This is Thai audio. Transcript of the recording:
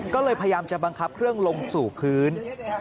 ก็เลยพยายามจะบังคับเครื่องลงสู่พื้น